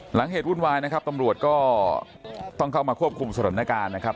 เหตุวุ่นวายนะครับตำรวจก็ต้องเข้ามาควบคุมสถานการณ์นะครับ